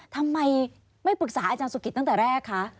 ทำไมไม่ปรึกษาอาจารย์สุกิตตั้งแต่แรกคะ